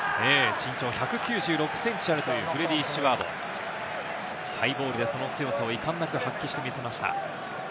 身長１９６センチあるというフレディー・スチュワード、ハイボールでその強さをいかんなく発揮してみせました。